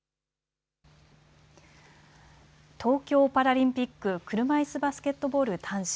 東京パラリンピック、車いすバスケットボール男子。